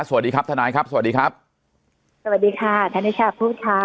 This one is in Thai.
สวัสดีครับทนายครับสวัสดีครับสวัสดีค่ะธนิชาพูดค่ะ